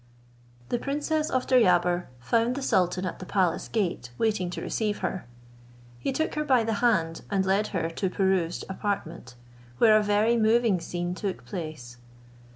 The princess of Deryabar found the sultan at the palace gate, waiting to receive her: he took her by the hand, and led her to Pirouzč's apartment, where a very moving scene took place.